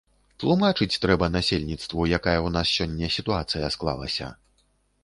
Тлумачыць трэба насельніцтву, якая ў нас сёння сітуацыя склалася.